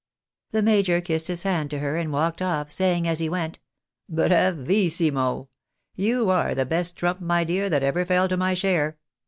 The major kissed his hand to her and walked off, saying, as he went —" Bravissimo ! You are the best trump, my dear, that ever fell to my share.